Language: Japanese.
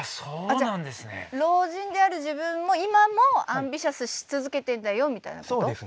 じゃあ老人である自分も今もアンビシャスし続けてんだよみたいなこと？